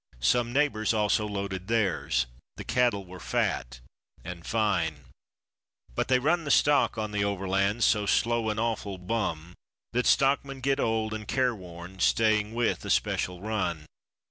Some neighbors also loaded theirs; the cattle were fat and fine. But they run the stock on the Overland, so slow and awful bum That stockmen get old and care worn, staying with a special run.